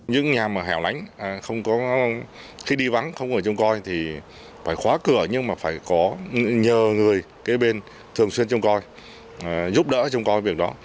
những nhà mà hẻo lánh khi đi vắng không ở trong coi thì phải khóa cửa nhưng mà phải có nhờ người kế bên thường xuyên trong coi giúp đỡ trong coi việc đó